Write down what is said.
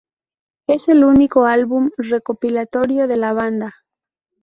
Es el único álbum recopilatorio de la banda.